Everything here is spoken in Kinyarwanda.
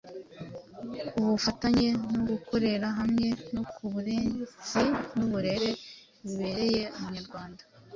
ubufatanye no gukorera hamwe no ku burezi n’uburere bibereye Umunyarwanda